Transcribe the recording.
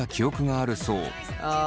あ。